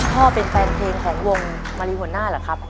พ่อเป็นแฟนเพลงของวงมารีหัวหน้าเหรอครับ